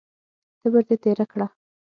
تبر دې تېره کړه!